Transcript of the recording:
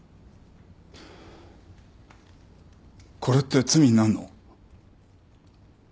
これって罪になんの？